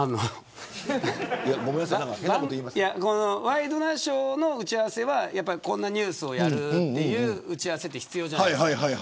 ワイドナショーの打ち合わせはこんなニュースをやるという打ち合わせが必要じゃないですか。